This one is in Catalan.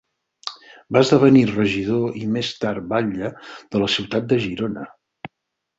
Va esdevenir regidor i més tard batlle de la ciutat de Girona.